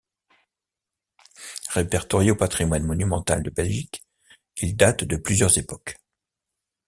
Répertorié au patrimoine monumental de Belgique, il date de plusieurs époques.